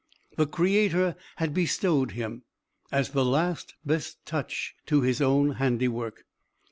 The Creator had bestowed him, as the last best touch to his own handiwork.